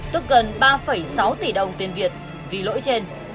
tức gần ba sáu tỷ đồng tiền việt vì lỗi trên